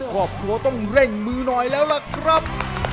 ครอบครัวต้องเร่งมือหน่อยแล้วล่ะครับ